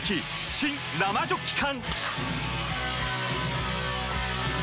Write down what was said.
新・生ジョッキ缶！